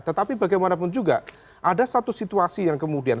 tetapi bagaimanapun juga ada satu situasi yang kemudian